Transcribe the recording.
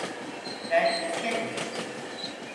Ben senim.